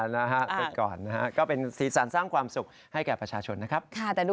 นะฮะก็เป็นสีสารสร้างความสุขให้แก่ประชาชนนะครับ